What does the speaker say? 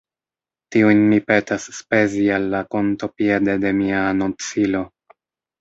Tiujn mi petas spezi al la konto piede de mia anoncilo.